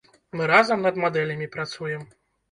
Мы разам над мадэлямі працуем.